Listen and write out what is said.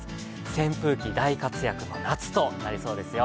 扇風機、大活躍の夏となりそうですよ。